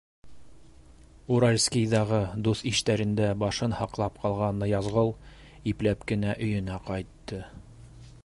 Уральскиҙағы дуҫ-иштәрендә башын һаҡлап ҡалған Ныязғол ипләп кенә өйөнә ҡайтты.